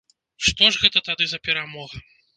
Што ж гэта тады за перамога?